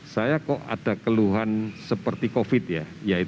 saya kok ada keluhan seperti covid ya